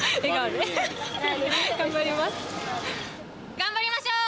頑張りましょう！